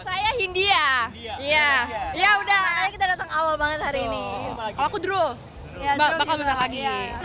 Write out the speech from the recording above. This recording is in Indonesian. saya india iya ya udah kita datang awal banget hari ini aku